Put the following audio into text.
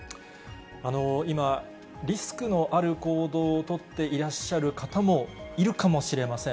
今、リスクのある行動を取っていらっしゃる方もいるかもしれません。